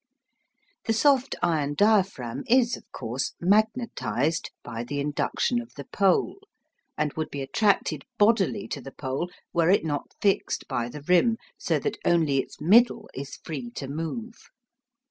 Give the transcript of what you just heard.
The soft iron diaphragm is, of course, magnetised by the induction of the pole, and would be attracted bodily to the pole were it not fixed by the rim, so that only its middle is free to move.